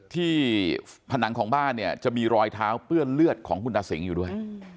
ผนังของบ้านเนี่ยจะมีรอยเท้าเปื้อนเลือดของคุณตาสิงห์อยู่ด้วย